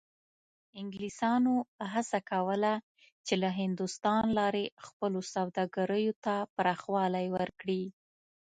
انګلیسانو هڅه کوله چې له هندوستان لارې خپلو سوداګریو ته پراخوالی ورکړي.